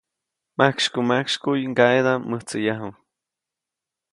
Majksykumajksykuʼy ŋgaʼedaʼm mäjtsyäyaju.